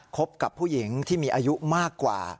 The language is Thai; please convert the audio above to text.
บกับผู้หญิงที่มีอายุมากกว่า